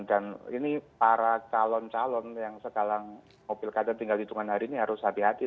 dan ini para calon calon yang sekalang mau pilkada tinggal di tungan hari ini harus hati hati